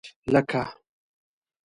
لکه